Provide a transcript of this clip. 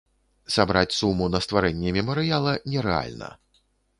Сабраць суму на стварэнне мемарыяла нерэальна.